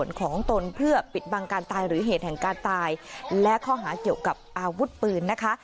อย่างการตายและข้อหาเกี่ยวกับอาวุธปืนนะคะ